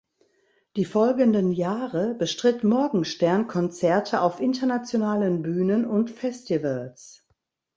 Die folgenden Jahre bestritt Morgenstern Konzerte auf internationalen Bühnen und Festivals.